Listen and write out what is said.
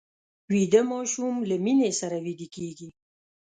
ویده ماشوم له مینې سره ویده کېږي